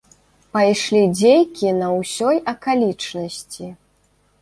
Пайшлі дзейкі на ўсёй акалічнасці.